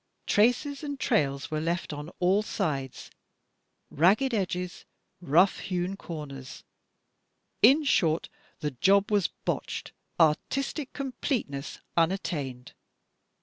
Traces and trails were left on all sides — ragged edges, rough hewn comers; in short, the job was botched, artistic completeness tmattained.